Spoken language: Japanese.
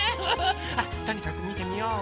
あっとにかくみてみよう！